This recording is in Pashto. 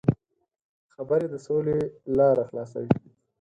خبرې د سولې لاره خلاصوي.